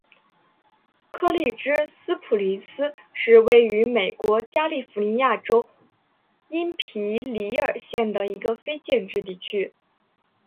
柯立芝斯普林斯是位于美国加利福尼亚州因皮里尔县的一个非建制地区。